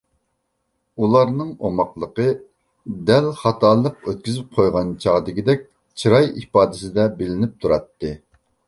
ئۇلارنىڭ ئوماقلىقى دەل خاتالىق ئۆتكۈزۈپ قويغان چاغدىكىدەك چىراي ئىپادىسىدە بىلىنىپ تۇراتتى.